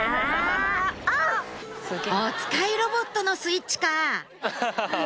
おつかいロボットのスイッチか！